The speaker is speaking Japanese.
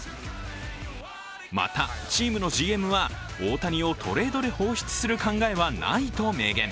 また、チームのＧＭは大谷をトレードで放出する考えはないと明言。